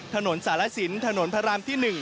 ถนนสารสินถนนพระรามที่๑